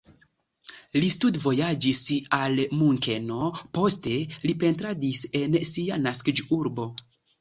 Li studvojaĝis al Munkeno, poste li pentradis en sia naskiĝurbo.